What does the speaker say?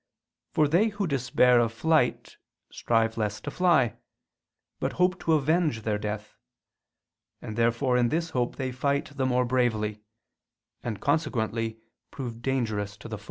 For they who despair of flight, strive less to fly, but hope to avenge their death: and therefore in this hope they fight the more bravely, and consequently prove dangerous to the foe.